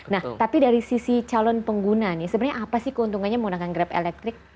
nah tapi dari sisi calon pengguna nih sebenarnya apa sih keuntungannya menggunakan grab elektrik